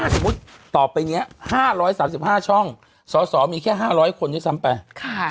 สมมุติต่อไปเนี้ยห้าร้อยสามสิบห้าช่องสอสอมีแค่ห้าร้อยคนด้วยซ้ำไปค่ะ